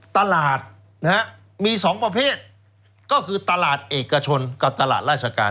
ตลาดนะฮะมี๒ประเภทก็คือตลาดเอกชนกับตลาดราชการ